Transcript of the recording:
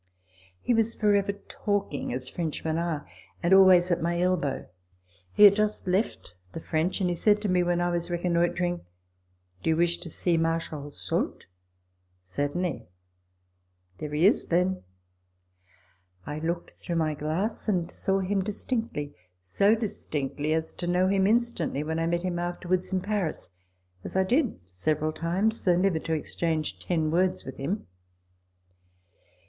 He was for ever talking as Frenchmen are, and always at my elbow. He had just left the French, and he said to me when I was reconnoitring, " Do you wish to see Marshal Soult ?"" Certainly." " There he is, then !" I looked through my glass, and saw him distinctly* so distinctly as to know him instantly when I met him afterwards in Paris ; as I did several times, though never to exchange ten words with him.